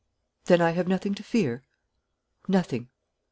"Then I have nothing to fear?" "Nothing."